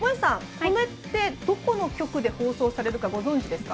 これってどの局で放送されるかご存じですか？